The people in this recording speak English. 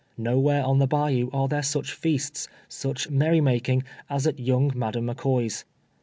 Nowhere on the bayou are there such feasts, such merrymaking, as at young Madam McCoy's.